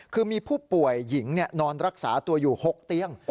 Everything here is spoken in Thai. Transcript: คือมีผู้ป่วยหญิงนอนรักษาตัวอยู่๖เตียง